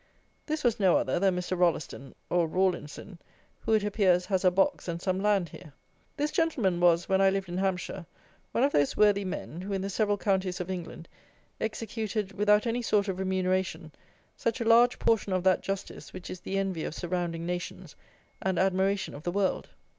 This was no other than Mr. Rolleston or Rawlinson, who, it appears, has a box and some land here. This gentleman was, when I lived in Hampshire, one of those worthy men, who, in the several counties of England, executed "without any sort of remuneration" such a large portion of that justice which is the envy of surrounding nations and admiration of the world.